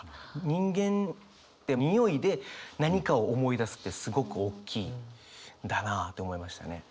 人間って匂いで何かを思い出すってすごく大きいんだなって思いましたね。